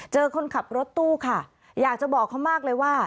คนขับรถตู้ค่ะอยากจะบอกเขามากเลยว่า